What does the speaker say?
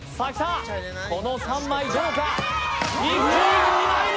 この３枚どうか？